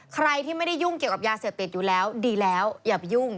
ใครที่ไม่ได้ยุ่งเกี่ยวกับยาเสพติดอยู่แล้วดีแล้วอย่าไปยุ่ง